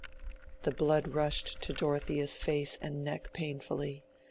The blood rushed to Dorothea's face and neck painfully.